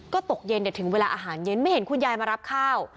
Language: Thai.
ก็ตกเย็นแต่ถึงเวลาอาหารเย็นไม่เห็นคุณยายมารับข้าว